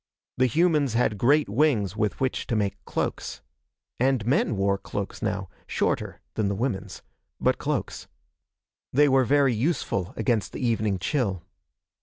The humans had great wings with which to make cloaks. And men wore cloaks now shorter than the women's but cloaks. They were very useful against the evening chill.